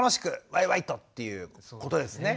わいわいと！っていうことですね。